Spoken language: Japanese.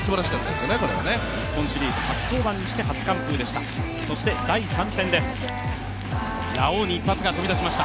今シーズン初登板にして初完封でした。